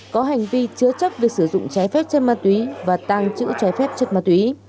có hành vi chứa chấp việc sử dụng trái phép chất ma túy và tăng chữ trái phép chất ma túy